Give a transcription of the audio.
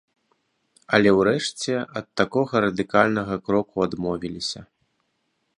Але ўрэшце ад такога радыкальнага кроку адмовіліся.